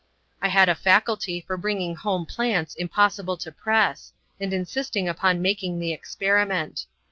I had a faculty for bringing home plants impossible to press, and insisting upon making the experiment.